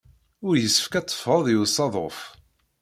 Ur yessefk ad teffɣeḍ i usaḍuf.